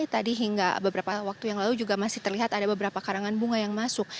tadi hingga beberapa waktu yang lalu juga masih terlihat ada beberapa karangan bunga yang masuk